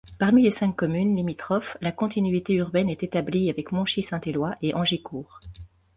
Parmi les cinq communes limitrophes, la continuité urbaine est établie avec Monchy-Saint-Éloi et Angicourt.